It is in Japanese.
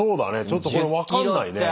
ちょっとこれ分かんないね。